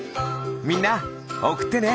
みんなおくってね！